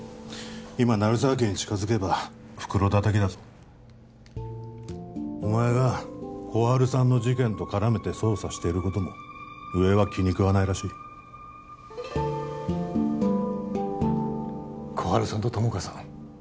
今鳴沢家に近づけば袋叩きだぞお前が心春さんの事件と絡めて捜査していることも上は気に食わないらしい心春さんと友果さん